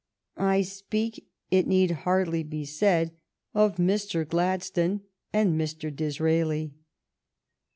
I speak, it need hardly be said, of Mr. Gladstone and Mr. Disraeli.